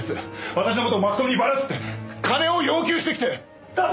私の事をマスコミにバラすって金を要求してきてだから！